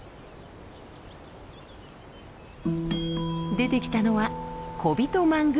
出てきたのはコビトマングース。